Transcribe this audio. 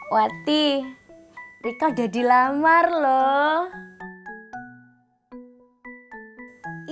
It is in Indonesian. wati rika udah dilamar loh